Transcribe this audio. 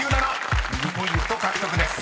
［２ポイント獲得です］